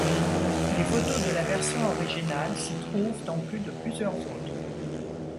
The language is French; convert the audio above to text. Les photos de la version originale s'y trouvent en plus de plusieurs autres.